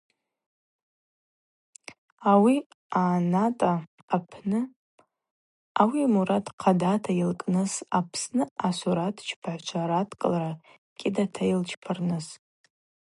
Ауи аъанатӏа апны ауи мурад хъадата йылкӏытӏ Апсны асуратчпагӏвчва радкӏылара кӏьыдата йылчпарныс.